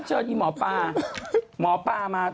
จริงอย่ามาหิด